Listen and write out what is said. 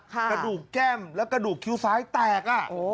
กระดูกแก้มและกระดูกคิ้วซ้ายแตก